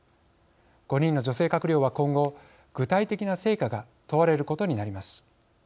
５人の女性閣僚は今後具体的な成果が問われることになります。